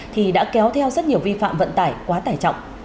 thì đã kéo theo rất nhiều vi phạm vận tải quá tải trọng